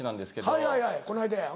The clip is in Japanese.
はいはいはいこの間や。